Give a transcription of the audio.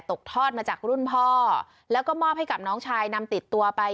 ตกทอดมาจากรุ่นพ่อแล้วก็มอบให้กับน้องชายนำติดตัวไป